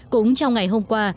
cũng trong ngày hôm qua